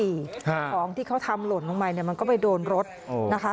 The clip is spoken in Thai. ของที่เขาทำหล่นลงไปเนี่ยมันก็ไปโดนรถนะคะ